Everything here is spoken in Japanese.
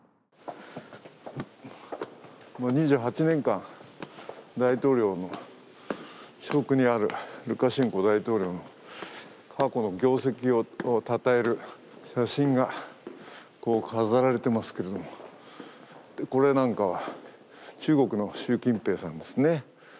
２８年間、大統領の職にあるルカシェンコ大統領の過去の業績をたたえる写真が飾られていますけれども、これなんかは中国の習近平さんですね。